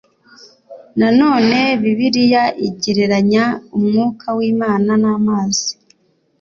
Nanone Bibiliya igereranya umwuka w'Imana n'amazi